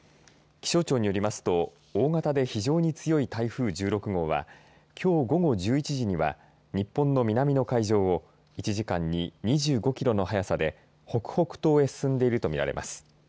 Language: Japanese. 気象庁によりますと、大型で非常に強い台風１６号はきょう午後１１時には日本の南の海上を１時間に２５キロの速さで北北東へ進んでいるとみられます。